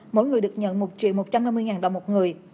mỗi người được nhận một triệu một trăm năm mươi đồng một người